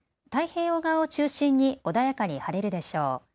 太平洋側を中心に穏やかに晴れるでしょう。